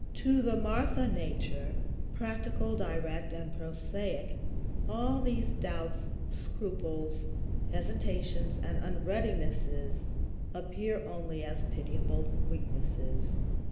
To the Martha nature, practical, direct, and prosaic, all these doubts, scruples, hesitations, and unreadinesses appear only as pitiable weaknesses.